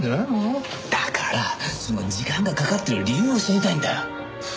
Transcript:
だからその時間がかかってる理由を知りたいんだよ。